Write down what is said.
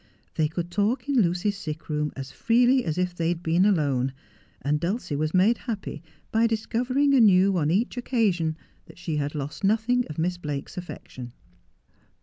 They could talk in Lucy's sick room as freely as if they had been alone, and Dulcie was made happy by discovering anew on each occasion that she had lost nothing of Miss Blake's affection.